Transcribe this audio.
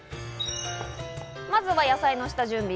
まずは野菜の下準備。